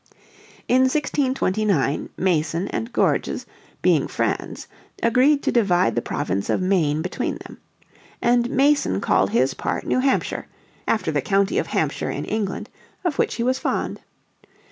In 1629 Mason and Gorges, being friends, agreed to divide the province of Maine between them, and Mason called his part New Hampshire, after the county of Hampshire in England, of which he was fond.